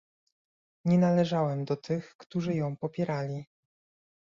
Nie należałem do tych, którzy ją popierali